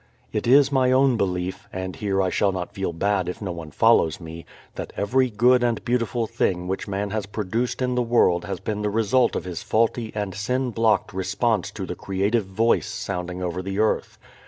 It is my own belief (and here I shall not feel bad if no one follows me) that every good and beautiful thing which man has produced in the world has been the result of his faulty and sin blocked response to the creative Voice sounding over the earth.